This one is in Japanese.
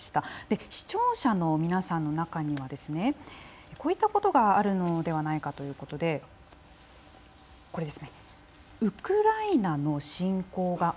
で視聴者の皆さんの中にはですねこういったことがあるのではないかということでこれですね